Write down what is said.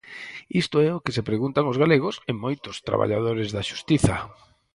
Isto é o que se preguntan os galegos e moitos traballadores da Xustiza.